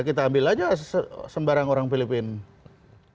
kita ambil aja sembarang orang filipina